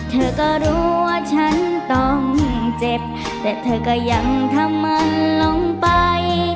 เธอก็รู้ว่าฉันต้องเจ็บแต่เธอก็ยังทำมันลงไป